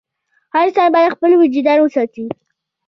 هر انسان باید خپل وجدان وساتي.